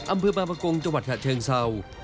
อำเภอบาปกรงจังหวัดชะเชิงเซา